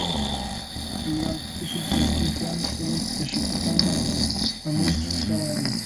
E durante estes últimos quince anos foron executando a moitos que estaban alí.